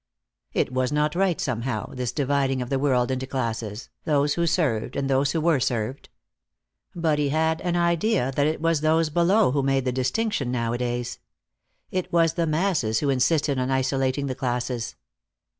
It was not right, somehow, this dividing of the world into classes, those who served and those who were served. But he had an idea that it was those below who made the distinction, nowadays. It was the masses who insisted on isolating the classes.